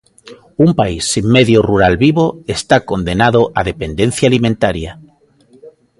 Un país sen medio rural vivo está condenado á dependencia alimentaria.